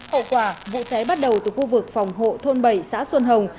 hậu quả vụ cháy bắt đầu từ khu vực phòng hộ thôn bảy xã xuân hồng